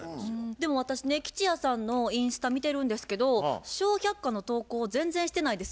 でも私ね吉弥さんのインスタ見てるんですけど「笑百科」の投稿全然してないですよね？